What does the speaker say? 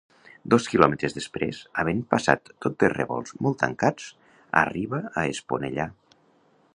Dos quilòmetres després, havent passat tot de revolts molt tancats, arriba a Esponellà.